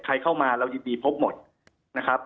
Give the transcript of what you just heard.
ใครเข้ามาเรายินดีพบหมดนะครับ